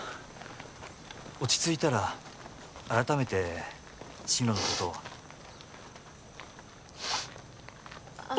落ち着いたら改めて進路のことをあ